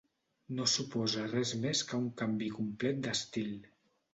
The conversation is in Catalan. No suposa res més que un canvi complet d'estil.